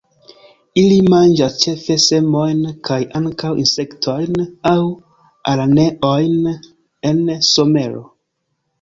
Ili manĝas ĉefe semojn, kaj ankaŭ insektojn aŭ araneojn en somero.